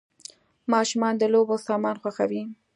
ماشومان د لوبو سامان خوښوي .